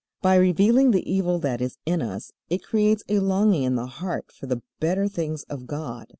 By revealing the evil that is in us it creates a longing in the heart for the better things of God.